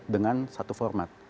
dengan satu format